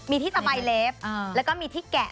มีที่สไปล์เล็บแล้วก็มีที่แกะ